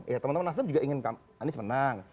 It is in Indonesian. ya teman teman nasrub juga ingin anis menang